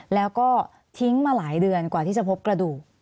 แล้วก็ทิ้งมาหลายเดือนกว่าที่จะพบกระดูก